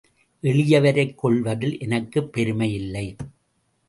எளியவரைக் கொல்வதில் எனக்குப் பெருமை இல்லை.